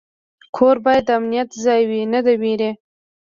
کور باید د امنیت ځای وي، نه د ویرې.